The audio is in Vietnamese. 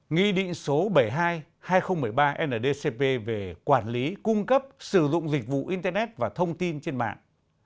nghị định số bảy mươi hai hai nghìn một mươi ba ndcp về quản lý cung cấp sử dụng dịch vụ internet và thông tin trên mạng